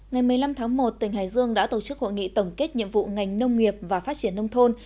ngày một mươi năm tháng một tỉnh hải dương đã tổ chức hội nghị tổng kết nhiệm vụ ngành nông nghiệp và phát triển nông thôn